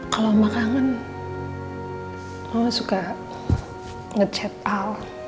kalau ma kangen mama suka ngechat al